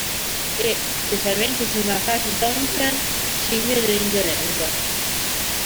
E, specialmente sui macachi tonkean, scimmie dell'Indonesia.